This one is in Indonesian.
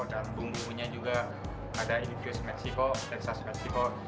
dan bumbunya juga ada infus meksiko texas meksiko